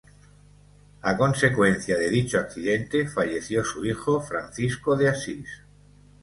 A consecuencia de dicho accidente falleció su hijo Francisco de Asís.